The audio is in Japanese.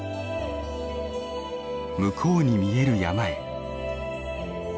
向こうに見える山へ。